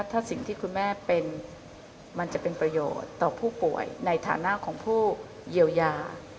ถ้าสิ่งที่คุณแม่เป็นมันจะเป็นประโยชน์ต่อผู้ป่วยในฐานะของผู้เยียวยา